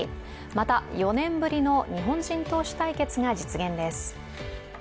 また、４年ぶりの日本人投手対決が実現です。